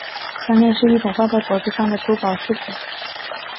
项链是一种挂在脖子上的珠宝饰品。